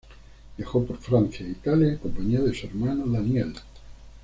Viajó por Francia e Italia en compañía de su hermano Daniel.